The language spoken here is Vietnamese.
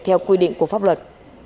theo quy định của pháp luật